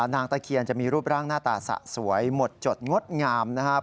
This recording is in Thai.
ตะเคียนจะมีรูปร่างหน้าตาสะสวยหมดจดงดงามนะครับ